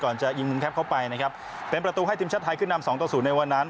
จะยิงมุมแคปเข้าไปนะครับเป็นประตูให้ทีมชาติไทยขึ้นนำสองต่อศูนย์ในวันนั้น